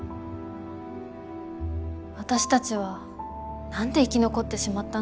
「私たちはなんで生き残ってしまったんだろう」。